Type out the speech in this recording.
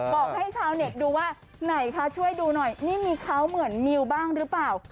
บอกให้ชาวเน็ตดูว่าไหนคะช่วยดูหน่อยนี่มีเขาเหมือนมิวบ้างหรือเปล่า